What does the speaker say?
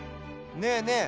ねえねえ